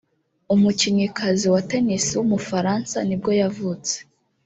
umukinnyikazi wa tennis w’umufaransa ni bwo yavutse